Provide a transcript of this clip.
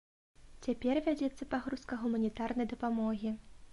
Цяпер вядзецца пагрузка гуманітарнай дапамогі.